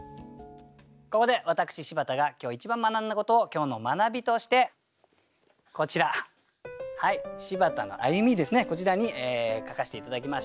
ここで私柴田が今日一番学んだことを今日の学びとしてこちらはい「柴田の歩み」ですねこちらに書かせて頂きました。